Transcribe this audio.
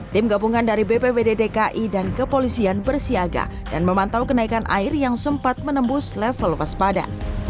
tim gabungan dari bpbd dki dan kepolisian bersiaga dan memantau kenaikan air yang sempat menembus level waspada